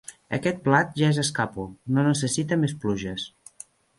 Aquest blat ja és escàpol: no necessita més pluges.